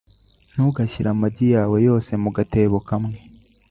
Ntugashyire amagi yawe yose mu gatebo kamwe.